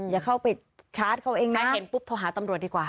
อย่าเข้าไปดันนึงเข้าไปพบลงได้ก่อน